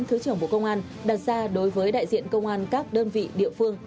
thứ trưởng bộ công an đặt ra đối với đại diện công an các đơn vị địa phương